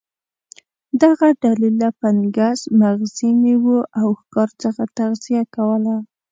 دغه ډلې له فنګس، مغزي میوو او ښکار څخه تغذیه کوله.